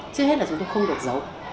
chưa hết là chúng tôi không được giấu